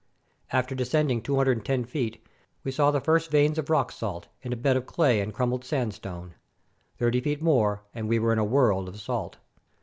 After descending 210 feet, we saw the first veins of rock salt, in a bed of clay and crumbled sandstone. Thirty feet more, and we were in a world of salt.